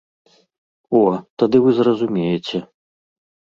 О, тады вы зразумееце.